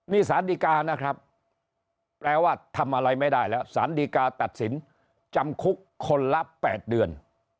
นี่สารดีกานะครับแปลว่าทำอะไรไม่ได้แล้วสารดีกาตัดสินจำคุกคนละ๘เดือน